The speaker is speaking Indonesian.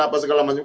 apa segala macam